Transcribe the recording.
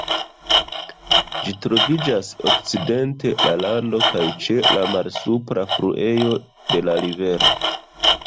Ĝi troviĝas okcidente la lando kaj ĉe la malsupra fluejo de la rivero.